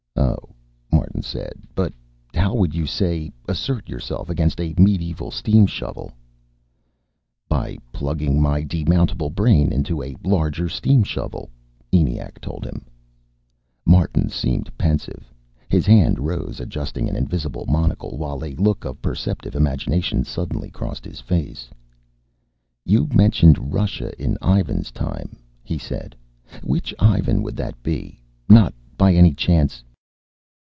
"Oh," Martin said. "But how would you, say, assert yourself against a medieval steam shovel?" "By plugging my demountable brain into a larger steam shovel," ENIAC told him. Martin seemed pensive. His hand rose, adjusting an invisible monocle, while a look of perceptive imagination suddenly crossed his face. "You mentioned Russia in Ivan's time," he said. "Which Ivan would that be? Not, by any chance